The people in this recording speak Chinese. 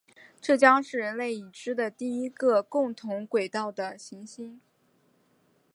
这将是人类已知的第一个共同轨道的行星。